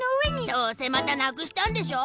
どうせまたなくしたんでしょ？